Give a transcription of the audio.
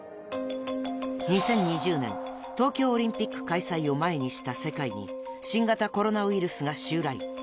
［２０２０年東京オリンピック開催を前にした世界に新型コロナウイルスが襲来］